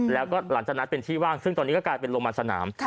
และหลังจากนั้นเขาเป็นก็เป็นโรงพยาบาลสนาม